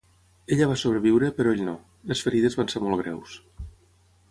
Ella va sobreviure, però ell no, les ferides van ser molt greus.